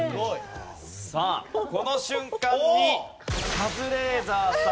さあこの瞬間にカズレーザーさん